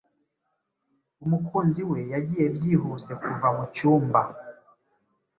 Umukunzi we yagiye Byihuse kuva mucyumba